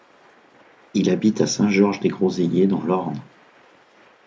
Il habite à Saint-Georges-des-Groseillers dans l'Orne.